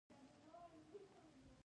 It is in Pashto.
د کندهار باغونه انځر لري.